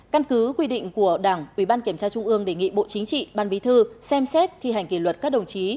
căn cứ quy định của đảng ubkt đề nghị bộ chính trị ban bí thư xem xét thi hành kỷ luật các đồng chí